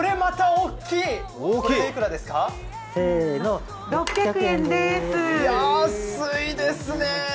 安いですね。